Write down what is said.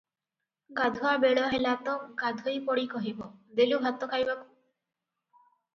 ଗାଧୁଆବେଳ ହେଲା ତ ଗାଧୋଇ ପଡ଼ି କହିବ, ଦେଲୁ ଭାତ ଖାଇବାକୁ ।